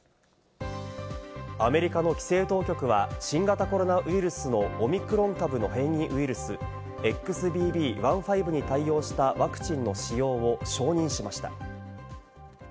アメリカの規制当局は、新型コロナウイルスのオミクロン株の変異ウイルス、ＸＢＢ．１．５に対応したワクチンの使用を承認しました。